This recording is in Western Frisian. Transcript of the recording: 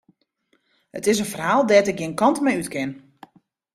It is in ferhaal dêr't ik gjin kant mei út kin.